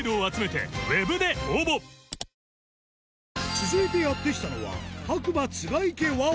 続いてやって来たのは何だ？